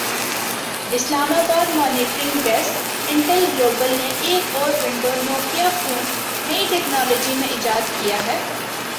اسلام آباد monitoring desk Intel global نے ایک اور ونڈو نوکیا فون نئی ٹیکنالوجی میں ایجاد کیا ہے